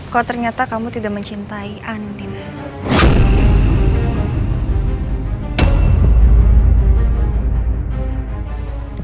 kok ternyata kamu tidak mencintai andin